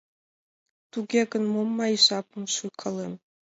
Туге гын, мом мый жапым шуйкалем?